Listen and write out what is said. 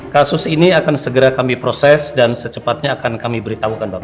kasus ini akan segera kami proses dan secepatnya akan kami beritahukan bapak